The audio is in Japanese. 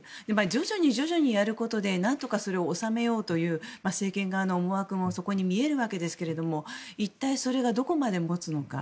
徐々に徐々にやることで何とかそれを収めようという政権側の思惑もそこに見えるわけですけど一体それがどこまでもつのか。